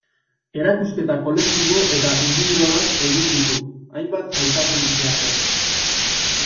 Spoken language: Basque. Erakusketa kolektibo eta indibidualak egin ditu, hainbat aipamen jasoz.